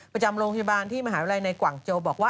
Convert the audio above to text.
ประจำโรงพยาบาลที่มหาวิทยาลัยในกว่างโจบอกว่า